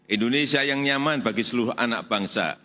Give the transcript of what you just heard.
indonesia yang nyaman bagi seluruh anak bangsa